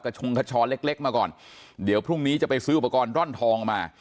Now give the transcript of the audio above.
ชงขชอเล็กเล็กมาก่อนเดี๋ยวพรุ่งนี้จะไปซื้ออุปกรณ์ร่อนทองมา